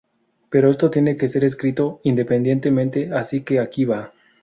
Pero esto tiene que ser escrito independientemente así que aquí va.